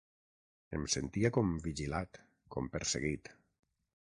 Em sentia com vigilat, com perseguit